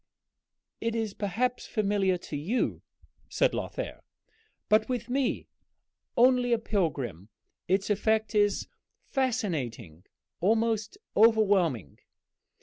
"It is perhaps familiar to you," said Lothair; "but with me, only a pilgrim, its effect is fascinating, almost overwhelming."